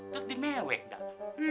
terus di mewek dong